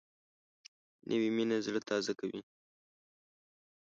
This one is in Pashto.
نوې مینه زړه تازه کوي